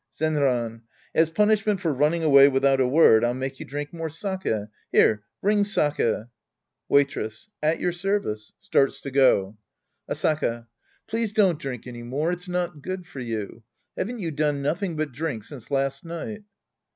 Zenran. As punishment for running away without a word, I'll make you drink more sake. Here, bring sake. Waitress. At your service. {Starts to go.) Sc. I The Priest and His Disciples 97 Asaka. Please don't drink any more. It's not good for you. Haven't you done notliing but drink since last night